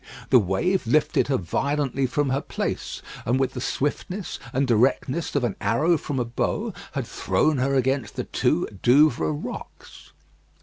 The wave lifted her violently from her place, and with the swiftness and directness of an arrow from a bow had thrown her against the two Douvres rocks.